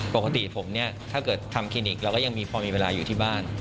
ปกติผมเนี่ยถ้าเกิดทำคลินิกเราก็ยังมีพอมีเวลาอยู่ที่บ้าน